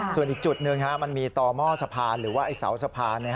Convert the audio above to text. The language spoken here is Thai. ส่วนอีกจุดหนึ่งมันมีต่อหม้อสะพานหรือว่าไอ้เสาสะพาน